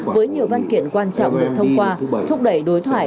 với nhiều văn kiện quan trọng được thông qua thúc đẩy đối thoại